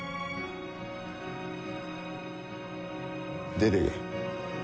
出ていけ。